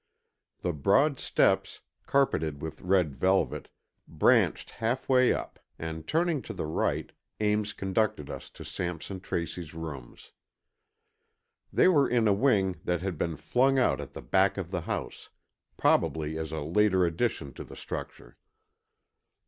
The broad steps, carpeted with red velvet, branched half way up, and turning to the right, Ames conducted us to Sampson Tracy's rooms. They were in a wing that had been flung out at the back of the house, probably as a later addition to the structure.